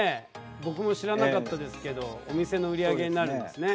僕も知らなかったですけどお店の売り上げになるんですね。